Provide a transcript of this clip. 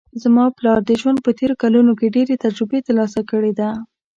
زما پلار د ژوند په تېرو کلونو کې ډېر تجربې ترلاسه کړې ده